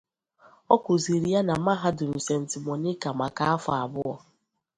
Ọ kụziiri ya na mahadum St. Monica maka afọ abụọ.